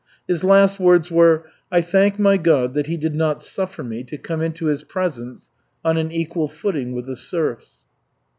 His last words were: "I thank my God that He did not suffer me to come into His presence on an equal footing with the serfs."